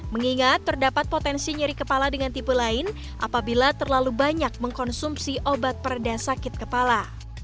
mengingat terdapat potensi nyeri kepala dengan tipe lain apabila terlalu banyak mengkonsumsi obat perda sakit kepala